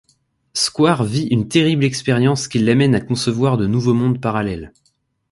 Square, vit une terrible expérience qui l’amène à concevoir de nouveaux mondes parallèles.